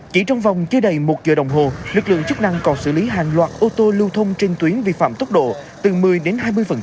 chỉ trong vòng chưa đầy một giờ đồng hồ lực lượng chức năng còn xử lý hàng loạt ô tô lưu thông trên tuyến vi phạm tốc độ từ một mươi đến hai mươi